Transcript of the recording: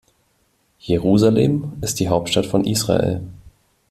Jerusalem ist die Hauptstadt von Israel.